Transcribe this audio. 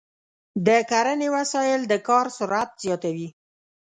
د کرنې وسایل د کار سرعت زیاتوي.